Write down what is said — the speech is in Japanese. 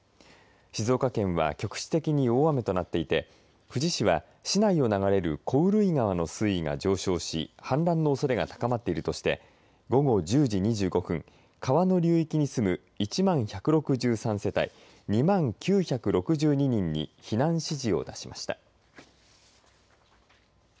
静岡県は局地的に大雨となっていて富士市は、市内を流れる小潤井川の水位が上昇し氾濫のおそれが高まっているとして午後１０時２５分川の流域に住む１万１６３世帯２万９６２人に避難指示を出しました。